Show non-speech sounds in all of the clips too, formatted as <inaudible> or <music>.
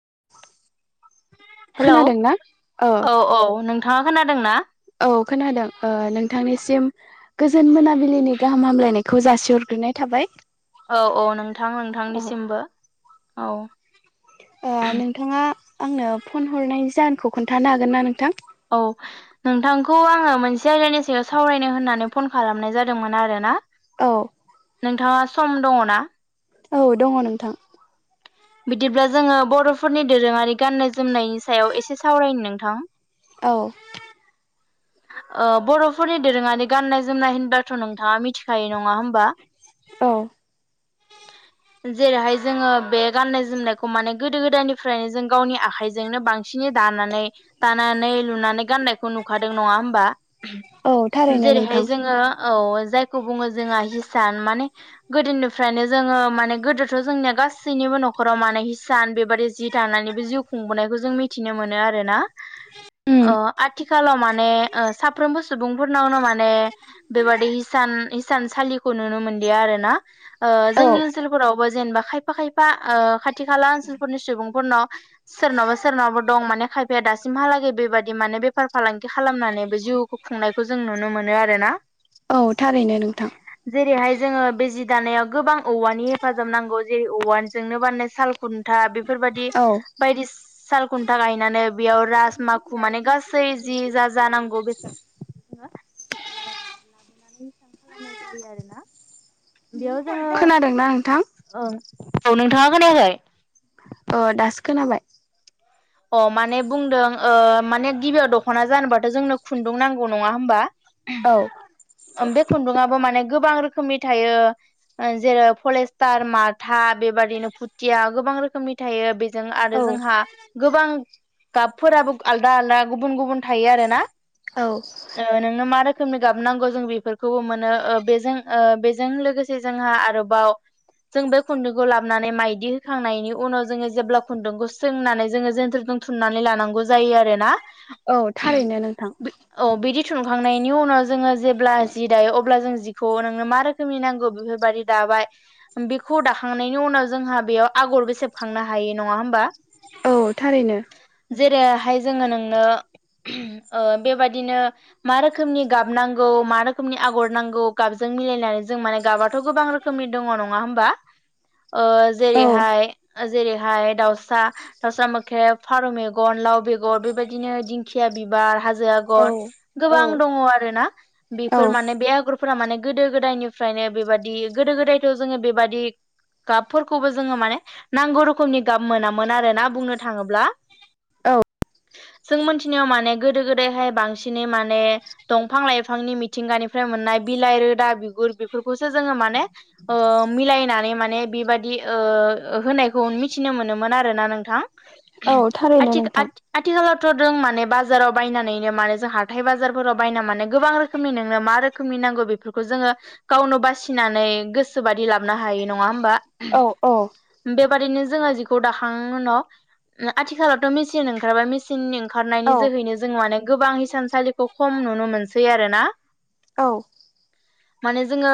<unintelligible> Hello खोनादोंना औ औ नोंथाङा खोनादोंना औ खोनादों ओ नोंथांनिसिम गोजोन मोनाबिलिनि गाहाम हामलायनायखौ जासिहरग ग्रोनाय थाबाय औ औ नोंथां औ नोंथांनिसिमबो औ ओ नोंथाङा आंनो फन हरनायनि जाहोनखौ खोन्थानो हागोन ना नोंथां औ नोंथांखौ आङो मोनसे आयदानि सायाव सावरायनो होननानै फन खालामनाय जादोंमोन आरो ना। औ। नोंथाङा सम दङ ना? औ दङ नोंथां। बिदिब्ला जोङो बर'फोरनि दोरोङारि गाननाय जोमनायनि सायाव एसे सावरायनि नोंथां। औ। ओ बर'फोरनि दोरोङारि गाननाय जोमनाय होनबाथ' नोंथाङा मिथिखायो। नङा होमबा। औ जेरैहाय जोङो बे गाननाय जोमनायखौ माने गोदो गोदायनिफ्रायनो जों गावनि आखाइजोंनो बांसिनै दा दानानै टानानै लुनानै गाननायखौ नुखा नङा होमबा औ थारैनो जेरैहाय नोंथां जोङो औ जाय खौ बुङो जोंङा हिसान माने गोदोनिफ्रायनो जोङो माने गोदोथ' जोंनिया गाससैनिबो न न'खराव माने हिसान बेबादि जि दानानैबो जिउ खुंबोनायखौ जों मिथिनो मोनो आरोना। अ उम आथिखालाव ने ओ साफ्रोमबो सुबुंफोरनावनो माने बेबादि हिसान हिसानसालिखौ नुनो मोन लिया आरोना ओ औ जोंनि ओनसोलफोरावबो जेनबा खायफा खायफा ओ खाथि खाला ओनसोलफोरनि सुबुंफोरनाव सोरनावबा सोरनावबा दं माने खायफाया दासिमहालागै बेबादि माने बेफार फालांगि खालामनानैबो जिउखौ खुंनायखो जों नुनो मोनो आर रोना औ थारैनो नोंथां जेरैहाय जोङो बे जि दानायाव गोबां औवानि हेफाजाब नांगौ जेरै औवाजोंनो बाननाय साल खुन्था बे फोरबायदि औ बायदि ससाल खुन्था गायनानै बेयाव राज माखु माने गासै <inaudible> लाबोनानै हिसान खालामनाय जायो आरोना बियाव जोङो खोनादोंना नोंथां ओं औ नोंथाङा खोनायाखै? ओ दासो खोनाबाय। अ माने बुंदों ओ माने गिबियाव दख'ना जानोबाथ' जोंनो खुन्दुं नांगौ नङा होमबा। औ ओम बे खुन्दुआबो माने गोबां रोख खोमनि थायो ओ जेरै फलेस्टार माथा बेबादिनो भुटिया गोबां रोखोमनि थायो बे जों आरो औ जोंहा गोबां गाबफोराबो आलदा आलदा गुबुन गुबुन थायो आरोना? औ ओ नोंनो मा रो खोमनि गाब नांगौ जों बेफोरखौबो मोनो ओ बेजों ओ बेजों लोगोसे जोंहा आरोबाव जों बे खुन्दुंखौ लाबनानै माइदि होखांनायनि उनाव जोङो जेब्ला खुन्दुंखौ सोंनानै ज जोङो जेनथोरजों थुननानै लानांगौ जायो आरोना औ थारैनो नोंथां बि औ बिदि थुनखांनायनि उनाव जोङो जेब्ला जि दायो अब्ला जों जि खौ नोंनो मा रोखोमनि नांगौ बिफोरबायदि दाबाय बिखौ दाखांनायनि उनाव जोंहा बेयाव आग गरबो सेबखांनो हायो नङा होमबा औ थारैनो जेरैहाय जोङो नोंनो ओ बेबादिनो मा रोखोमनि गाब नांगौ मा रोखोमनि आगर नांगौ गाबजों मिलायनानै जों माने गाबाथ' गोबां रोखोमनि दङ नङा होमबा ओ औ जेरैहाय ओ जेरैहाय दाउसा दावसा मोख्रेब फारौ मेगन लाव बेगर बेबादिनो दिंखिया बिबार हाज जो औ आगर गोबां औ दङ आरोना बिफोर माने बे आगर फोरा माने गोदो गोदायनिफ्रायनो बेबादि गोदो गोदायथ' जोङो बेबादि गाबफोरखौबो जोङो माने नांगौ रोखोमनि गाब मोनामोन आरोना बुंनो थाङोब्ला औ जों मोनथिनायाव माने गोदो गोदायहाय बांसिनै माने दंफां लाइफांनि मिथिंगानिफ्राय मोननाय बिलाइ रोदा बिगुर बिफोरखौसो जोङो माने ओ मिलायनानै माने बिबादि ओ ओ होनायखौन मिथिनो मोनोमोन आरो ना नोंथां औ थारैनो आथिख नोंथां आथि आथिखालाव थ' जों माने बाजाराव बायनानैनो माने जों हाथाय बाजारफोराव बायना माने गोबां रोखोमनि नोंनो मा रोखोमनि नांगौ बेफोरखौ जोङो गावनो बासिनानै गोसोबादि लाबनो हायो नङा होमबा औ औ बादिनो जोङो जिखौ दाखां उनाव आथिखालावथ' मेचिन ओंखारबाय मेचिननि ओं खारनायनि औ जोहैनो जों माने गोबां हिसानसालिखौ खम नुनो मोनसै आरोना औ <unintelligible> माने जोङो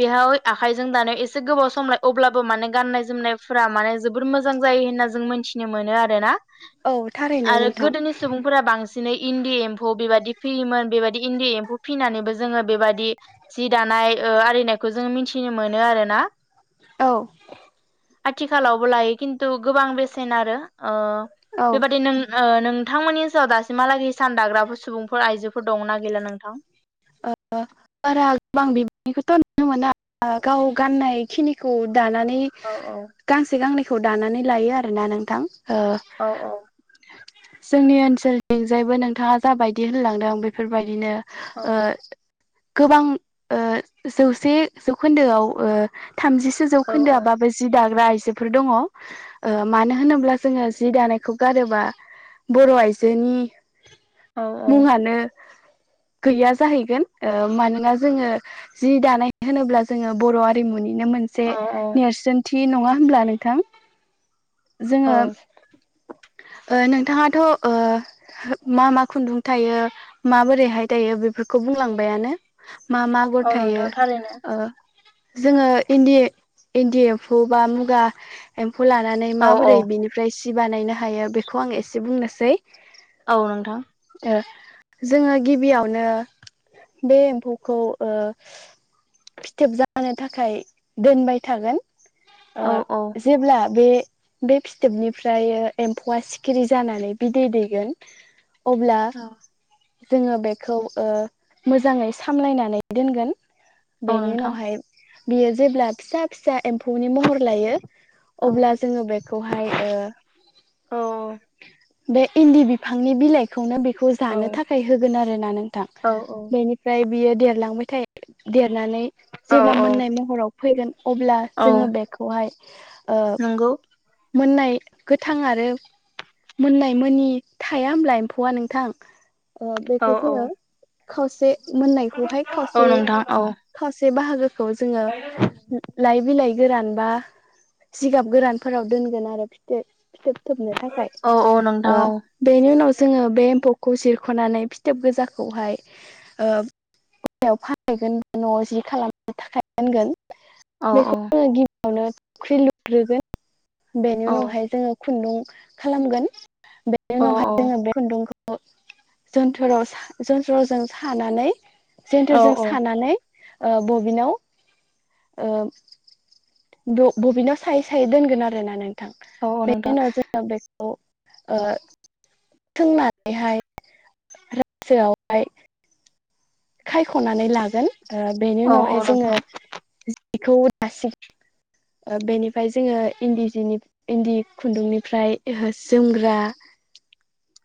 बेहाव आखाइजों दानायाव एसे गोबाव सम लाय अब्लाबो माने गाननाय जोमनायफोरा माने जोबोर मोजां जायो होनना जों मिथिनो मोनो आरोना औ थारैनो आरो नोंथां गोदोनि सुबुंफोरा बांसिन सिनै इन्दि एम्फौ बेबायदि फियोमोन बेबायदि इन्दि एम्फौ फिनानैबो जोङो बेबायदि जि दा नाय ओ आरिनायखौ जों मिथिनो मोनो आरोना औ आथिखालावबो लायो खिन्थु गोबां बेसेन आरो ओ औ बेबादि नों ओ नों थांमोननि ओनसोलाव दासिमहालागै हिसान दाग्राफोर सुबुंफोर आइजोफोर दङना गैला नोंथां। ओ बारा गोबां बिबांनिखौथ' नुनो मोना गाव गाननाय खिनिखौ दानानै औ औ गांसे गांनैखौ दानानै लायो आरोना नोंथां। ओ औ औ जोंनि ओनसोलनिजायबो नोंथाङा जाबायदि होनलांदों बेफोरबायदिनो ओ गोबां ओ जौसे जौखोन्दोआव ओ थामजिसो औ जौखोन्दोआबाबो जि दाग्रा‌ आय जोफोर दङ ओ मानो होनोब्ला जोङो जि दानायखौ गारोबा बर' आइजोनि औ मुङानो गैया जाहैगोन ओ मानोना जोङो जि दानाय होनोब्ला जोङो बर' आरिमुनि नो मोनसे औ नेरसोनथि नङा होनब्ला नोंथां जोङो औ ओ नोंथाङाथ' ओ मा मा खुन्दुं थायो माबोरैहाय दायो बेफोरखौ बुंलांबायानो मा मा आगर औ थायो नोंथां थारैनो ओ जोङो इन्दि इन्दि एम्फौ बा मुगा ए फौ लानानै औ औ माबोरै बिनिफ्राय सि बानायनो हायो बेखौ आं एसे बुंनोसै औ नोंथां ओ जोङो गिबियावनो बे एम्फौखौ ओ फिथोब जानो थाखाय दोनबाय थागोन ओ औ औ जेब्ला बे बे फिथोबनिफ्राय एम्फौआ सिखिरि जानानै बिदै दैगोन अब्ला जोङो बेखौ ओ मोजाङै सामलायनानै दोनगोन। औ बेनि नोंथां उनावहाय बियो जेब्ला फिसा फिसा एम्फौनि महर लायो औ अब्ला जोङो बेखौहाय ओ औ औ बे इन्दि बिफांनि बिलाइखौनो बिखौ औ जानो थाखाय होगोन आरो नोंथां औ बेनिफ्राय बियो देरलांबाय थायो‌ दे नानै जेब्ला औ मोननाय महराव फैगोन अब्ला औ जोङो बेखौहाय ओ नंगौ मोननाय गोथां आरो मोननाय मोनि थाया होमब्ला एम्फौआ नोंथां ओ‌ औ बेखौ औ जोङो खावसे मोननायखौहाय औ खावसे नोंथां औ खावसे बाहागोखौ जोङो लाइ बिलाइ गोरान बा जिगाब गोरानफोराव दोनगोन आरो फिथोबथोबनो थाखाय औ औ ओ नोंथां औ बेनि उनाव जोङो बे एम्फौ खौ जिरख'नानै फिथोब गोजाखौहाय ओ हाथायाव फानैगोन बा न'आव जि खालामनो थाखाय दोनगोन। औ औ आवनो थावख्रि लुग्रोगोन बेनि औ उनावहाय जोङो खुन्दुं खालामगोन। बेनि औ उनावहाय जोङो बे खुन्दुंखौ जो थोराव जनथ्रजों सानानै औ जोन्थोरजों सानानै ओ बबिनाव ओ ब बबिनाव सायै सायै दोनगोन आरोना नोंथां औ बेनि नोंथां उनाव जोंनाव बे खौ ओ सोंनानैहाय रासोआवहाय खायख'नानै लागोन बेनि औ औ उनावहाय जोङो नोंथां बेखौ लासै बेनिफ्राय जोङो इन्दि जिनि इन्दि खुन्दुंनिफ्राय जोमग्रा <inaudible>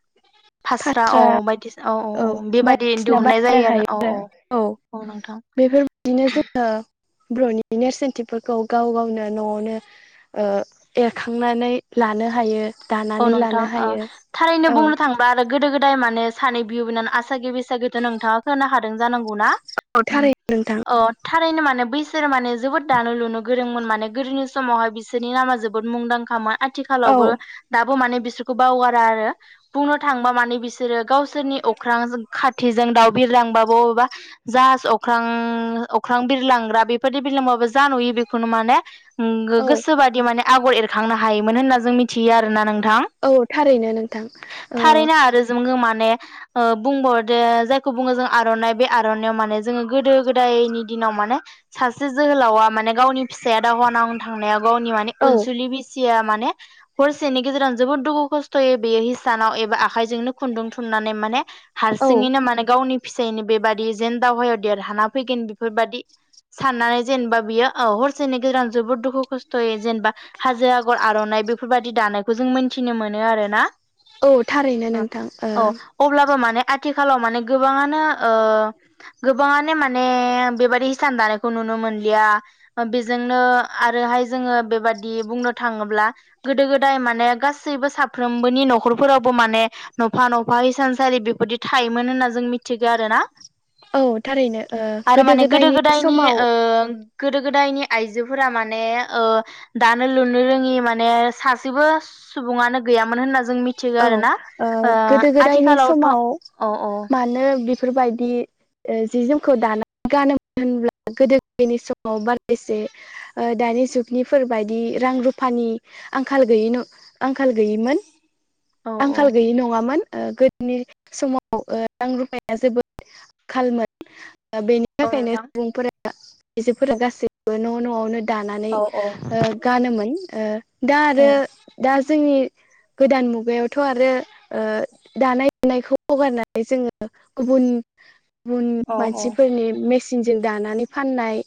फास्रा औ बायदिसिना औ औ औ बेबादि बायदिसिना दिहुननाय बानायनो जायो आरो हायो औ औ। औ नोंथां। बिदिनो जोङो बर'नि नेरसोनथिफोरखौ गाव गावनो न'आवनो एरखांनानै लानो हायो औ दानानै नोंथां लानो हायो थारैनो औ बुंनो थांबा आरो गोदो गोदाय माने सानै बिब बिनानै आसागे बिसागेथ नोंथाङा खोना खादों जानांगौ ना औ थारैनो नोंथां अ थारैनो माने बै बिसोर माने जोबोद दानो लुनो गोरोंमोन माने गोदोनि समावहाय बिसोरनि नामा जोबोद मुंदांखामोन। औ आथिखालाबो माने बिसोरखौ बावगारा आरो बुंनो थांबा माने बिसोरो गावसोरनि जों अख्रां खाथि जायो। दाउ बिरलांबाबो अबावबा जाहाज अख्रां बिरलांग्रा बेफोर बादि बिरलांबाबो नुयो बेखौनो माने औ गोसोबादि माने आगर एरखांनो हायोमोन होनना जों मिथियो आरोना। औ नोंथां ओ थारैनो आरो जोङै माने बुंबाव दे जायखौ बुङो जों आर'नाइ बे आर'नाआव माने जोङो गोदो गोदायनि दिनाव माने सासे जोहोलावा माने गावनि फिसाया दावहा नांनो थांनायाव। गावनि मने औ अनसुलि बिसिया माने हरसे सेनि गेजेराव जोबोद दुखु खस्थ'यै बेयो हिसानाव एबा आखाइजोंनो खुन्दुं थुननानै माने औ हारसिङैनो माने गावनि फिसानो बेबादि जेन दावहायाव देरहाना फैगोन बेफोरबायादि साननानै जेनेबा बियो हरसेनि गेजेराव जोबोद दुखु खस्थ'यै जेनेबा हाजो आगर आर'नाइ बेफोरबायदि दानायखौ जों मिन्थिनो मोनो आरोना औ थारैनो नोंथां औ अब्लाबो माने आथिखालाव माने गोबाङानो गोबाङानो माने बेबादि हिसान दानायखौ नुनो नुनो मोनलिया बेजोंनो आरोहाय जोङो बेबादि बुंनो थाङोब्ला गोदो गोदाय माने गासैबो साफ्रोमबोनि न'खरफोरावबो माने नफा नफा इसानसारि बे बिदि थायोमोन होनना जों मिथिगौ आरो ना ओ औ थारैनो ओ आरो माने गोदो गोदायनि समाव गोदो गोदायनि आइजोफोरा माने दानो लुनो रोङि माने सासेबो सुबुङानो गैयामोन होनना जों मिथिगौ औ आरो ना ओ गोदो गोदायनि आथिखालावथ' औ समाव औ मानो बेफोरबायदि जि जोमखौ दानानै गानोमोन होनब्ला गोदो गोनि समाव बारा एसे दानि जुगनिफोर बाददि रां रुफानि आंखालय आंखाल गैयिमोन। औ औ आंखाल गैयि नङामोन। गोदोनि समाव रां रुफाया जोबोद आंखालमोन। बेनि औ थाखायनो नोंथां सुबुंफोरा आइजोफोरा गासैबो न' न'आवनो दानानै औ औ गानोमोन दा औ आरो दा जोंनि गोदान मुगायाव बेयावथ' आरो दानाय लुनायखौ हगारनानै जोङो गुबुन गुबुन औ मानसिफोरनि मेसिनजों दानानै फाननाय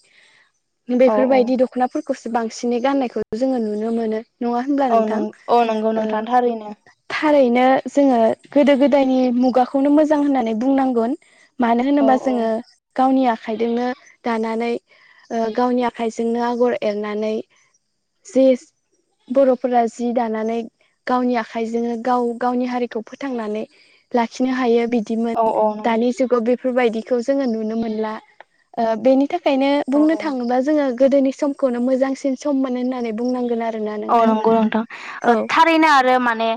औ औ बेफोरबायदि दख'नाफोरखौसो बांसिनै गाननायखौ जोङो नुनो मोनो नङा होनब्ला औ नं नोंथां औ नंगौ ओ? नोंथां थारैनो थारैनो जोङो गोदो गोदायनि मुगाखौनो मोजां होननानै बुंनांगोन। मानो औ होनोबा औ जोङो गावनि आ आखाइजोंनो दानानै गावनि ओ आखाइजोंनो आगर एरनानै जे बर'फोरा जि दानानै गावनि आख आखाइ जोंनो गाव-गावनि हारिखौ फोथांनानै लाखिनो हायो बिद औ बिदिमोन औ नं दानि जुगाव बेफोरबायदिखौ जोङो नुनो मोनला ओ बेनि बिनि थाखायनो औ बुंनो औ थाङोब्ला जोङो गोदोनि समखौनो मोजांसिन सममोनो होननानै बुंनांगोन आरो। औ नंगौ नोंथां ओ थारैनो आरो माने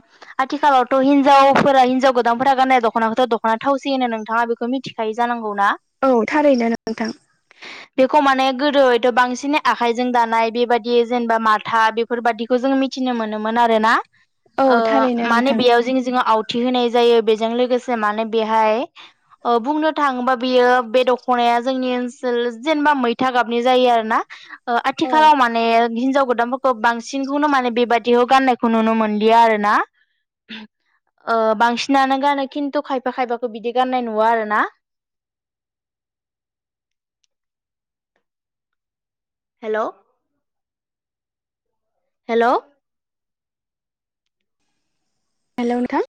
आथिखालावथ' हिनजावफोरा हिनजाव गोदानफोरा गाननाय दख'नाखौथ' दख'ना थावसि होनो नोंथाङा बेखौ मिथिखायो जानांगौ ना? औ थारैनो नोंथां। बेखौ माने गोदो हयथ' बांसिन आखायजों दानाय बेबादियै जेनेबा माथा बे फोरबायादिखौ जोङो मिथिनो मोनोमोन आरोना औ ओ थारैनो माने नोंथां बेयाव जिं जिङाव आउ थि होनाय जायो बेजों लोगोसे माने बेहाय ओ बुंनो थाङोबा बियो बे दख'नाया जोंनि ओनसोल जेनेबा मैथा गाबनि जायो आरो ना। ओ औ आथिखालाव माने हिनजाव गोदानफोरखौ बांस सिनखौनो माने बेबादिखौ गाननायखौ नुनो मोनलिया आरोना। ओ बांसिनानो गानो खिन्थु खायफा खायफाखो बिदि गाननाय नुवा आरो ना। हेल' हेल' हेल' नोंथां।